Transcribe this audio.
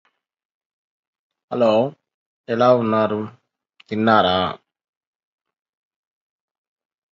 The feud soon lost steam and was forgotten soon after.